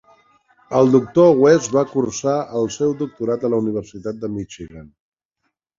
El doctor West va cursar el seu doctorat a la Universitat de Michigan.